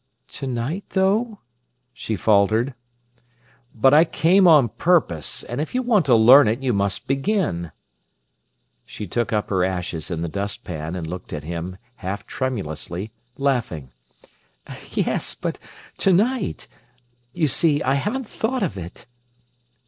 "To night, though?" she faltered. "But I came on purpose. And if you want to learn it, you must begin." She took up her ashes in the dustpan and looked at him, half tremulously, laughing. "Yes, but to night! You see, I haven't thought of it."